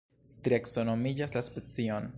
Strieco nomigas la specion.